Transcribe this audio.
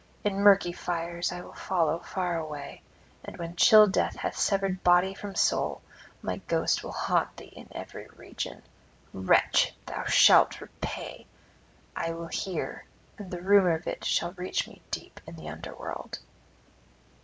In murky fires I will follow far away, and when chill death hath severed body from soul, my ghost will haunt thee in every region. Wretch, thou shalt repay! I will hear; and the rumour of it shall reach me deep in the under world.'